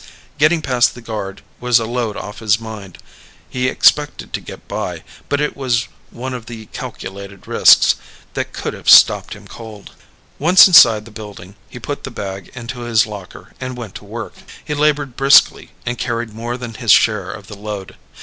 Getting past the guard was a load off his mind. He'd expected to get by, but it was one of the calculated risks that could have stopped him cold. Once inside the building, he put the bag into his locker and went to work. He labored briskly and carried more than his share of the load.